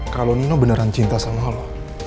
kalau nino beneran cinta sama allah